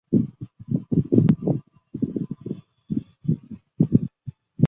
至今尚未确认有任何系外行星存在于这个聚星系统。